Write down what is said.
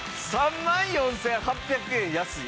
３万４８００円安い。